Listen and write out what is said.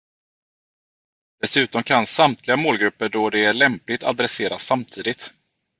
Dessutom kan samtliga målgrupper då det är lämpligt adresseras samtidigt.